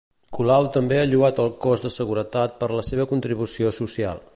Colau també ha lloat el cos de seguretat per la seva contribució social.